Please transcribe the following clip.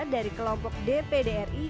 dari kelompok dpd ri